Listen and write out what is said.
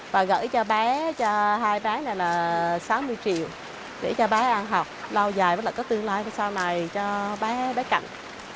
và gửi cho bé cho hai bé này là sáu mươi triệu để cho bé ăn học lâu dài với lại có tương lai sau này cho bé bé cạnh